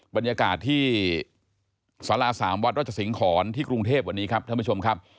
บรรยากาศที่สารา๓วัดราชสิงหอนที่กรุงเทพวันนี้ครับท่านผู้ชมครับ